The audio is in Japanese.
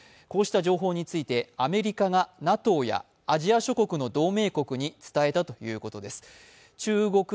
こうした情報についてアメリカがＮＡＴＯやアジア諸国の同盟国に伝えたということです。